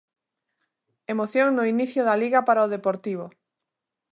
Emoción no inicio da Liga para o Deportivo.